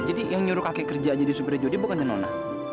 jadi yang menyuruh kakek kerja jadi supirnya jody bukan nona